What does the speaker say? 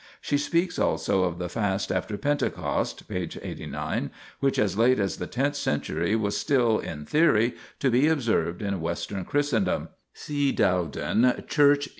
She speaks also of the fast after Pentecost (p. 89), which as late as the tenth century was still in theory to be observed in Western Christendom (see Dowden, Ch.